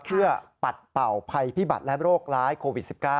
เพื่อปัดเป่าภัยพิบัติและโรคร้ายโควิด๑๙